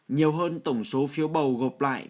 nhiều hơn tổng số phiếu bầu gộp lại